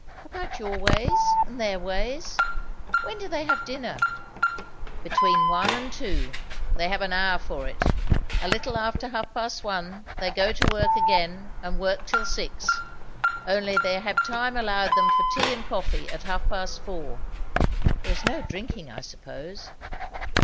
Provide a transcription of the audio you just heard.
"About your ways, and their ways. When do they have dinner?" "Between one and two. They have an hour for it. A little after half past one they go to work again and work till six; only they have time allowed them for tea and coffee at half past four." "There is no drinking, I suppose?"